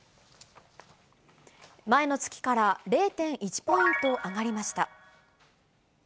前の月から０．１ポイント上がりました。